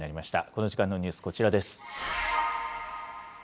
この時間のニュース、こちらです。